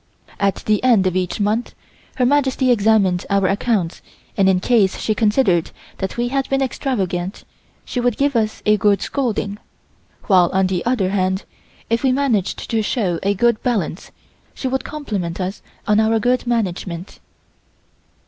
At the end of each month Her Majesty examined our accounts and in case she considered that we had been extravagant she would give us a good scolding, while on the other hand, if we managed to show a good balance she would compliment us on our good management.